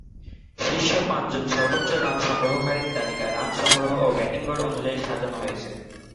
শীর্ষ পাঁচজন সর্বোচ্চ রান সংগ্রহকারীর তালিকা রান সংগ্রহ ও ব্যাটিং গড় অনুযায়ী সাজানো হয়েছে।